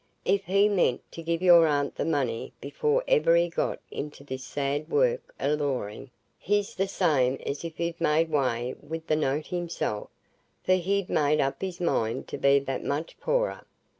If he meant to give your aunt the money before ever he got into this sad work o' lawing, it's the same as if he'd made away with the note himself; for he'd made up his mind to be that much poorer.